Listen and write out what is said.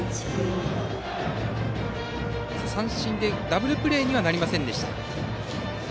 三振で、ダブルプレーにはなりませんでした。